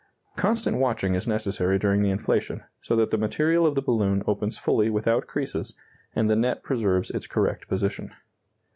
Constant watching is necessary during the inflation, so that the material of the balloon opens fully without creases, and the net preserves its correct position.